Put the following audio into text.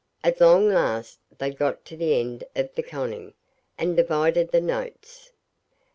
At long last they'd got to the end of the conning, and divided the notes.